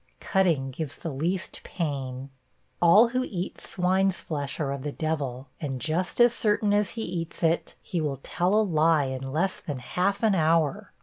(Cutting gives the least pain.) 'All who eat swine's flesh are of the devil; and just as certain as he eats it, he will tell a lie in less than half an hour.